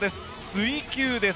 水球です。